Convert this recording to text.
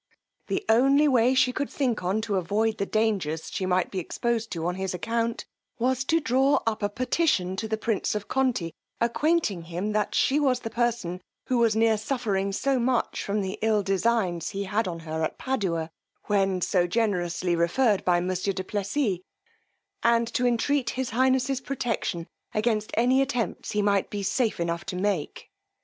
The only way she could think on to avoid the dangers she might be exposed to on his account, was to draw up a petition to the prince of Conti, acquainting him that she was the person who was near suffering so much from the ill designs he had on her at Padua, when so generously referred by monsieur du Plessis, and to entreat his highness's protection against any attempts he might be safe enough to make.